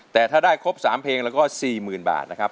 แต่ถ้าได้ครบ๓เพลงแล้วก็๔๐๐๐บาทนะครับ